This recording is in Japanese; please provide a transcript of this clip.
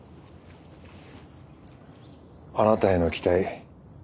あなたへの期待